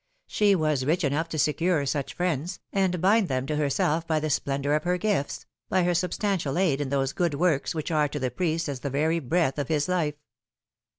She was rich enough to secure such friends, and bind them to herself by the splendour of her gifts, by her substantial aid in those good works which are to the priest as the very breath of his lif e.